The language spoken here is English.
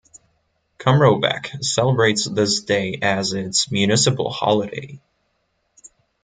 Kumrovec celebrates this day as its municipal holiday.